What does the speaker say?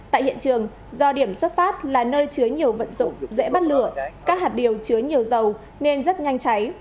tại hiện trường do điểm xuất phát là nơi chứa nhiều vận dụng dễ bắt lửa các hạt điều chứa nhiều dầu nên rất nhanh cháy